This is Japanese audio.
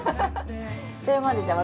それまでじゃあ